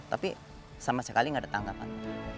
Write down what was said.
tapi sama sekali nggak ada tanggapan